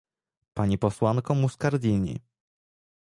Pani posłanko Muscardini